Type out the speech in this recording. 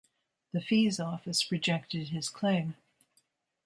The Fees Office rejected his claim.